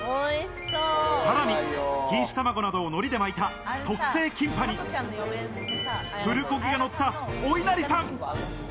さらに錦糸卵などを海苔で巻いた特製キンパに、プルコギがのった、おいなりさん。